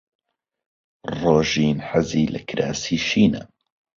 ڕۆژین حەزی لە کراسی شینە.